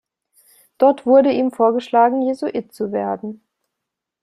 Dort wurde ihm vorgeschlagen, Jesuit zu werden.